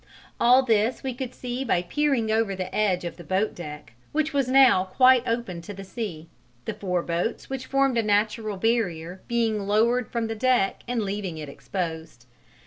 All this we could see by peering over the edge of the boat deck, which was now quite open to the sea, the four boats which formed a natural barrier being lowered from the deck and leaving it exposed.